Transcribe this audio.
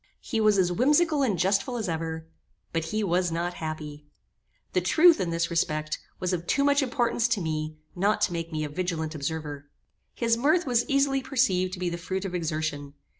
He was as whimsical and jestful as ever, but he was not happy. The truth, in this respect, was of too much importance to me not to make me a vigilant observer. His mirth was easily perceived to be the fruit of exertion.